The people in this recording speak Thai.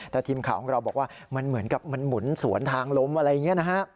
แต่ทีมข่าวของเราบอกว่ามันเหมือนกับมันหมุนสวนทางล้มอะไรอย่างนี้นะฮะ